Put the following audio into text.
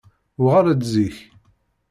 Uɣal-d zik!